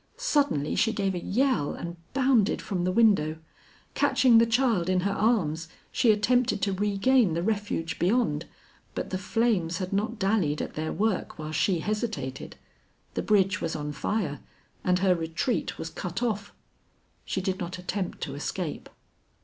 Suddenly she gave a yell, and bounded from the window. Catching the child in her arms, she attempted to regain the refuge beyond, but the flames had not dallied at their work while she hesitated. The bridge was on fire and her retreat was cut off. She did not attempt to escape.